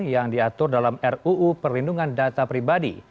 yang diatur dalam ruu perlindungan data pribadi